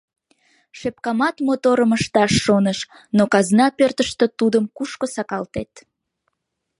Шепкамат моторым ышташ шоныш, но казна пӧртыштӧ тудым кушко сакалтет?